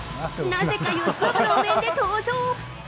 なぜか由伸のお面で登場。